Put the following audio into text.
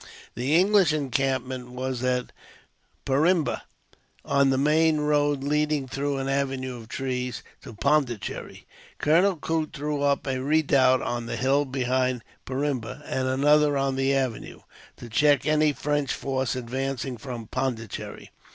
The English encampment was at Perimbe, on the main road leading, through an avenue of trees, to Pondicherry. Colonel Coote threw up a redoubt on the hill behind Perimbe, and another on the avenue, to check any French force advancing from Pondicherry.